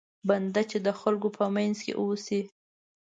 بنده چې د خلکو په منځ کې اوسي.